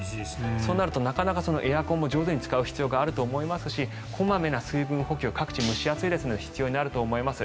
そうなると、なかなかエアコンも上手に使う必要があると思いますし小まめな水分補給各地、蒸し暑いので必要になると思います。